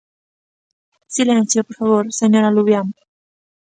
Silencio, por favor, señora Luvián.